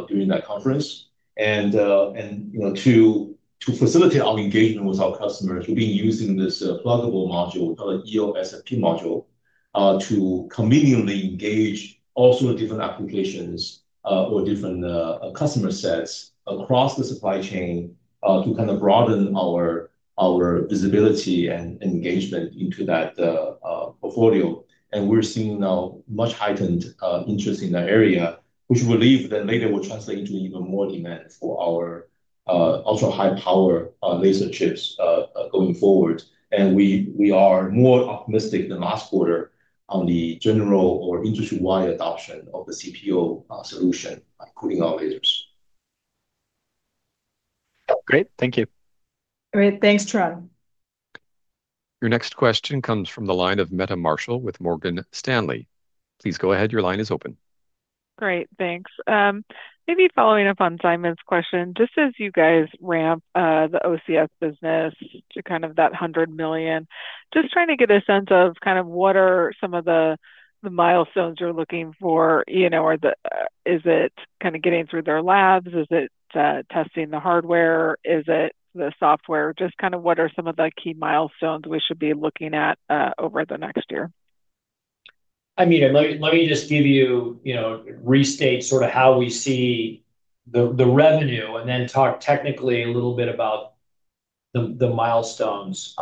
during that conference. And to facilitate our engagement with our customers, we've been using this pluggable module, called an EOSFP module, to conveniently engage all sorts of different applications or different customer sets across the supply chain to kind of broaden our visibility and engagement into that portfolio. And we're seeing now much heightened interest in that area, which we believe that later will translate into even more demand for our ultra-high-power laser chips going forward. And we are more optimistic than last quarter on the general or industry-wide adoption of the CPO solution, including our lasers. Great. Thank you. Great. Thanks, Taran. Your next question comes from the line of Meta Marshall with Morgan Stanley. Please go ahead. Your line is open. Great. Thanks. Maybe following up on Simon's question, just as you guys ramp the OCS business to kind of that $100 million, just trying to get a sense of kind of what are some of the milestones you're looking for? Is it kind of getting through their labs? Is it testing the hardware? Is it the software? Just kind of what are some of the key milestones we should be looking at over the next year? I mean, let me just give you restate sort of how we see the revenue and then talk technically a little bit about the milestones.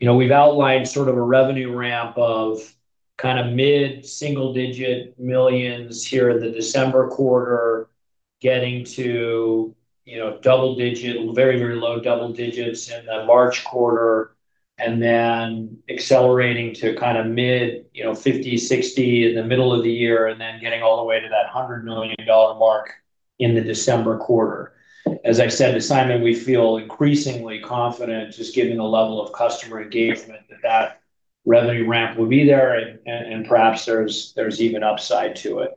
We've outlined sort of a revenue ramp of kind of mid-single-digit millions here in the December quarter, getting to double-digit, very, very low double digits in the March quarter, and then accelerating to kind of mid-50, 60 in the middle of the year, and then getting all the way to that $100 million mark in the December quarter. As I said to Simon, we feel increasingly confident just given the level of customer engagement that that revenue ramp will be there, and perhaps there's even upside to it.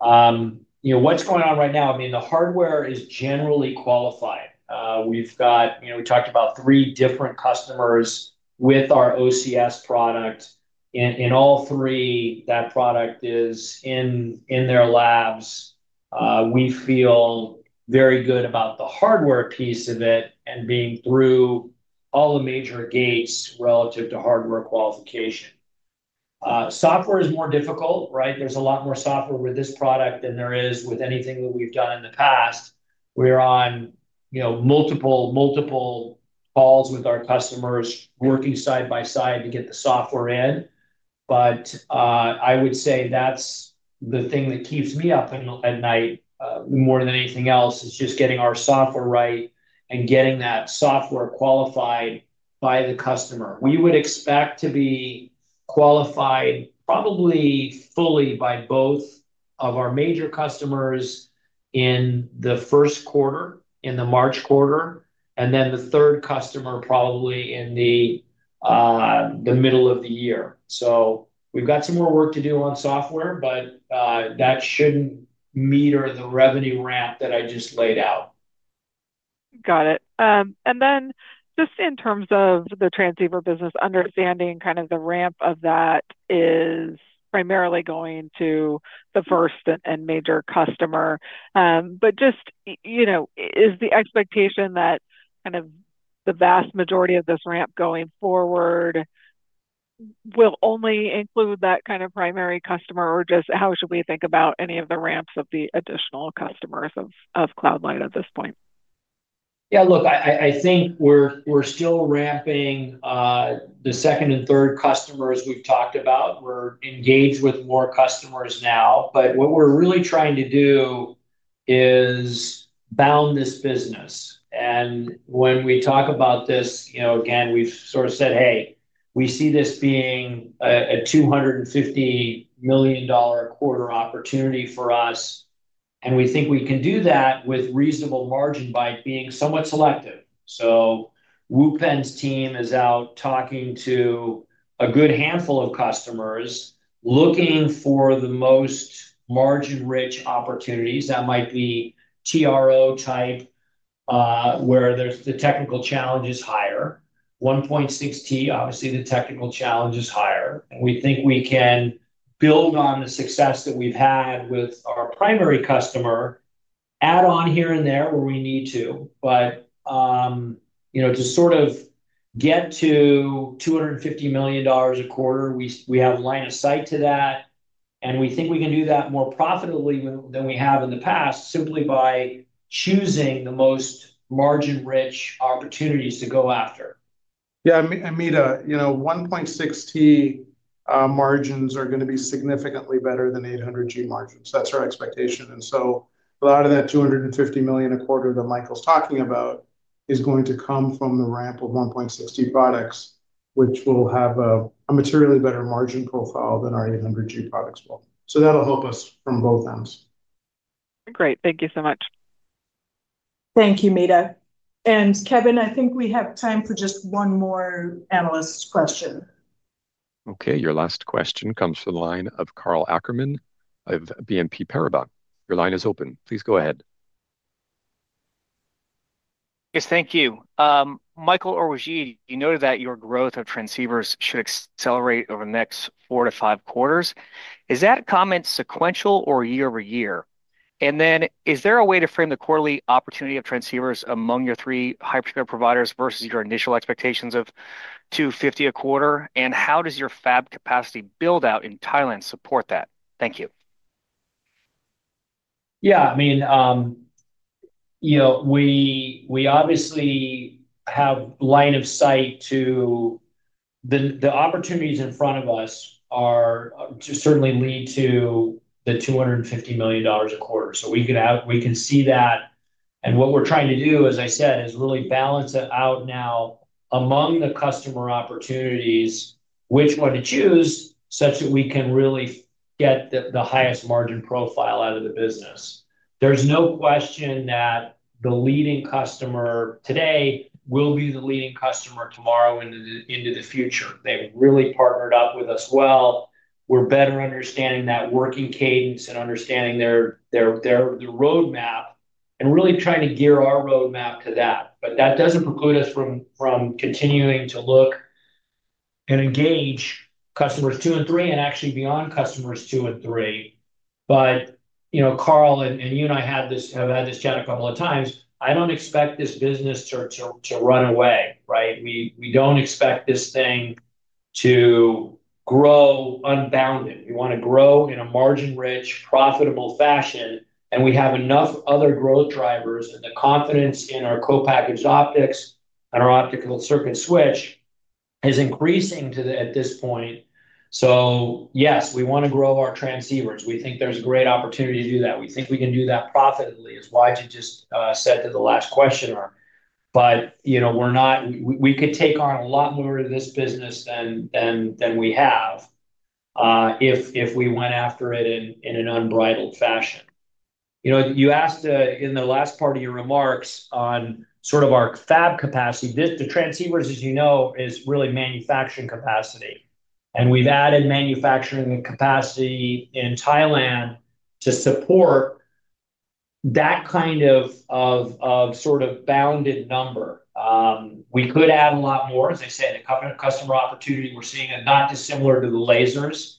What's going on right now? I mean, the hardware is generally qualified. We've got, we talked about three different customers with our OCS product. In all three, that product is in their labs. We feel very good about the hardware piece of it and being through all the major gates relative to hardware qualification. Software is more difficult, right? There's a lot more software with this product than there is with anything that we've done in the past. We're on multiple calls with our customers, working side by side to get the software in. But I would say that's the thing that keeps me up at night more than anything else, is just getting our software right and getting that software qualified by the customer. We would expect to be qualified probably fully by both of our major customers in the first quarter, in the March quarter, and then the third customer probably in the middle of the year. So we've got some more work to do on software, but that shouldn't meter the revenue ramp that I just laid out. Got it. And then, just in terms of the transceiver business, understanding kind of the ramp of that is primarily going to the first and major customer. But just. Is the expectation that kind of the vast majority of this ramp going forward will only include that kind of primary customer, or just how should we think about any of the ramps of the additional customers of CloudLight at this point? Yeah. Look, I think we're still ramping. The second and third customers we've talked about. We're engaged with more customers now. But what we're really trying to do is bound this business. And when we talk about this, again, we've sort of said, "Hey, we see this being a $250 million quarter opportunity for us, and we think we can do that with reasonable margin by being somewhat selective." So Wupen’s team is out talking to a good handful of customers looking for the most margin-rich opportunities. That might be TRO type. Where the technical challenge is higher. 1.6T, obviously, the technical challenge is higher. And we think we can build on the success that we've had with our primary customer, add on here and there where we need to. But to sort of get to $250 million a quarter, we have a line of sight to that. And we think we can do that more profitably than we have in the past simply by choosing the most margin-rich opportunities to go after. Yeah. I mean, 1.6T. Margins are going to be significantly better than 800G margins. That's our expectation. And so a lot of that $250 million a quarter that Michael's talking about is going to come from the ramp of 1.6T products, which will have a materially better margin profile than our 800G products will. So that'll help us from both ends. Great. Thank you so much. Thank you, Meta. And Kevin, I think we have time for just one more analyst question. Okay. Your last question comes from the line of Karl Ackerman of BNP Paribas. Your line is open. Please go ahead. Yes. Thank you. Michael or Wajid, you noted that your growth of transceivers should accelerate over the next four to five quarters. Is that comment sequential or year-over-year? And then is there a way to frame the quarterly opportunity of transceivers among your three hyperscalers versus your initial expectations of $250 a quarter? And how does your fab capacity build-out in Thailand support that? Thank you. Yeah. I mean, we obviously have line of sight to the opportunities in front of us that are certainly lead to the $250 million a quarter. So we can see that. And what we're trying to do, as I said, is really balance it out now among the customer opportunities, which one to choose such that we can really get the highest margin profile out of the business. There's no question that the leading customer today will be the leading customer tomorrow and into the future. They've really partnered up with us well. We're better understanding that working cadence and understanding the roadmap and really trying to gear our roadmap to that. But that doesn't preclude us from continuing to look and engage customers two and three and actually beyond customers two and three. But, Karl, you and I have had this chat a couple of times. I don't expect this business to run away, right? We don't expect this thing to grow unbounded. We want to grow in a margin-rich, profitable fashion, and we have enough other growth drivers. And the confidence in our co-packaged optics and our optical circuit switch is increasing at this point. So yes, we want to grow our transceivers. We think there's a great opportunity to do that. We think we can do that profitably, as Wajid just said to the last questioner. But we could take on a lot more of this business than we have if we went after it in an unbridled fashion. You asked in the last part of your remarks on sort of our fab capacity. The transceivers, as you know, is really manufacturing capacity. And we've added manufacturing capacity in Thailand to support that kind of sort of bounded number. We could add a lot more. As I said, the customer opportunity we're seeing, not dissimilar to the lasers,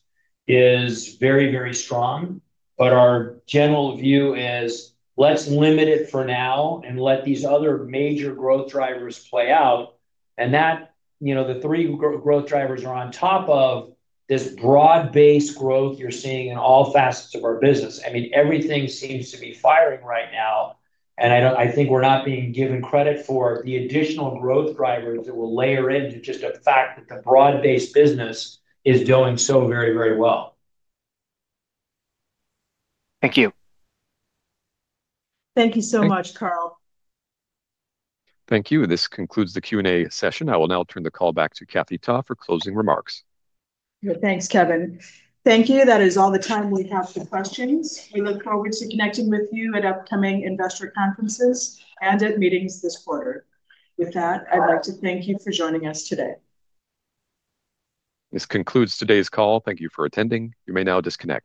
is very, very strong. But our general view is, let's limit it for now and let these other major growth drivers play out, and the three growth drivers are on top of this broad-based growth you're seeing in all facets of our business. I mean, everything seems to be firing right now. And I think we're not being given credit for the additional growth drivers that will layer into just the fact that the broad-based business is doing so very, very well. Thank you. Thank you so much, Karl. Thank you. This concludes the Q&A session. I will now turn the call back to Kathy Ta for closing remarks. Thanks, Kevin. Thank you. That is all the time we have for questions. We look forward to connecting with you at upcoming investor conferences and at meetings this quarter. With that, I'd like to thank you for joining us today. This concludes today's call. Thank you for attending. You may now disconnect.